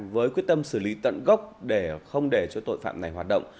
với quyết tâm xử lý tận gốc để không để cho tội phạm này hoạt động